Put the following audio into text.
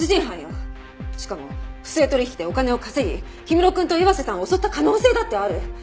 しかも不正取引でお金を稼ぎ氷室くんと岩瀬さんを襲った可能性だってある。